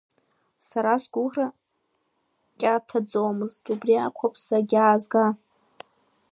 Сара сгәыӷра кьаҭаӡомызт, убри акәхап сагьаазга.